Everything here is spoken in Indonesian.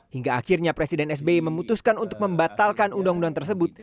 hingga akhirnya presiden sbi memutuskan untuk membatalkan undang undang tersebut